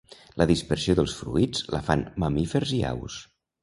La dispersió dels fruits la fan mamífers i aus.